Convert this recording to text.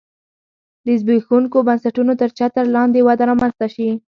د زبېښونکو بنسټونو تر چتر لاندې وده رامنځته شي